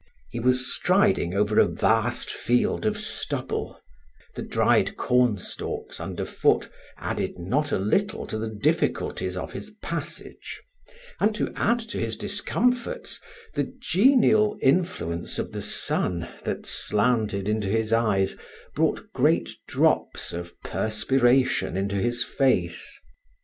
He was striding over a vast field of stubble; the dried corn stalks underfoot added not a little to the difficulties of his passage, and to add to his discomforts, the genial influence of the sun that slanted into his eyes brought great drops of perspiration into his face.